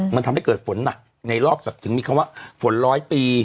มันทำให้เกิดฝนหนักในรอบแบบถึงมีคำว่าฝนร้อยปี